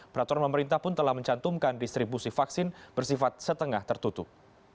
peraturan pemerintah pun telah mencantumkan distribusi vaksin bersifat setengah tertutup